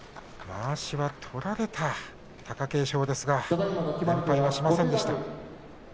まわしは取られた貴景勝ですが連敗はしませんでした。